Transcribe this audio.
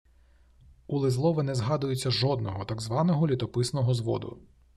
У Лизлова не згадується жодного так званого «літописного зводу»